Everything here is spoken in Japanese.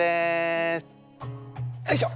よいしょ。